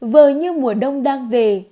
vờ như mùa đông đang về